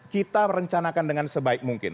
kita rencanakan dengan sebaik mungkin